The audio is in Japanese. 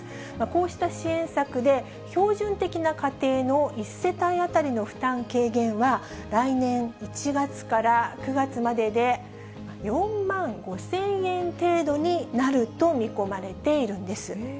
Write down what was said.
こうした支援策で、標準的な家庭の１世帯当たりの負担軽減は、来年１月から９月までで、４万５０００円程度になると見込まれているんです。